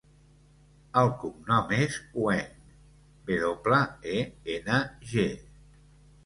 El cognom és Weng: ve doble, e, ena, ge.